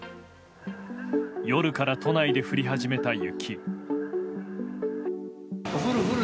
夜から都内で降り始めた雪。